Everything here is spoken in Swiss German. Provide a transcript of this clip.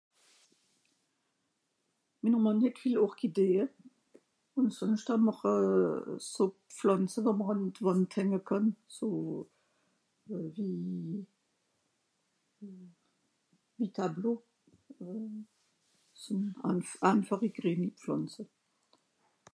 minner màn hett viele orchidées ùn sònscht hàmmer euh so pflànze wo mr àn d'wànd henge kànn so euh wie wie tableau ùn àn einfarig (gren) pflànze